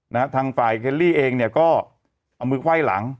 นะฮะทางฝ่ายเคลลี่เองเนี่ยก็เอามือไขว้หลัง